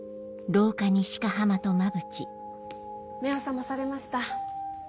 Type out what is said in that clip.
目を覚まされました。